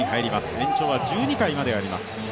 延長は１２回まであります。